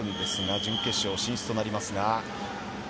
準決勝進出となります。